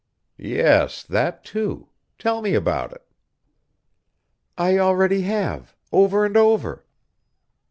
"Yes, that, too. Tell me about it." "I already have. Over and over."